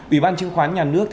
ủy ban chứng khoán nhà nước